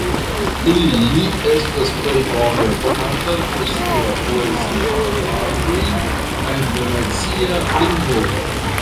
Li estas plej bone konata pro sia poeziaĵoj en venecia lingvo.